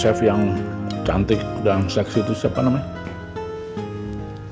chef yang cantik dan seksi itu siapa namanya